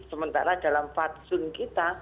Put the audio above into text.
sementara dalam fadzun kita